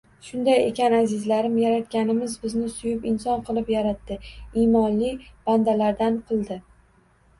Shunday ekan azizlarim, Yaratganimiz bizni suyib inson qilib yaratdi, iymonli bandalaridan qildi